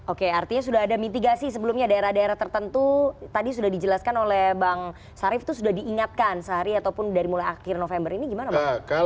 oke artinya sudah ada mitigasi sebelumnya daerah daerah tertentu tadi sudah dijelaskan oleh bang sarif itu sudah diingatkan sehari ataupun dari mulai akhir november ini gimana bang